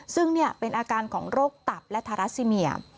ซึ่งเป็นอาการของโรคตับและทาราซิเมีย